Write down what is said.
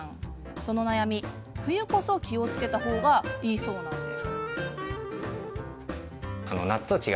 その悩み、冬こそ気をつけた方がいいそうで。